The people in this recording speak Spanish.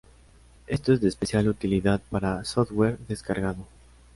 Esto es de especial utilidad para software descargado.